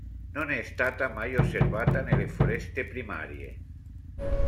Non è stata mai osservata nelle foreste primarie.